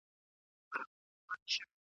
د زلزلې ځپلو سره مرسته کېږي؟